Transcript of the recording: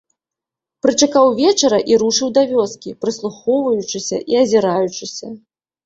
Прычакаў вечара і рушыў да вёскі, прыслухоўваючыся і азіраючыся.